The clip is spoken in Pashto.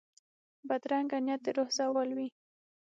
بدرنګه نیت د روح زوال وي